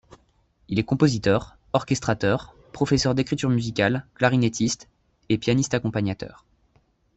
Il est compositeur, orchestrateur, professeur d'écriture musicale, clarinettiste et pianiste accompagnateur.